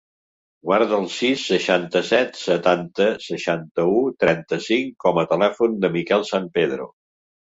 Guarda el sis, seixanta-set, setanta, seixanta-u, trenta-cinc com a telèfon del Mikel San Pedro.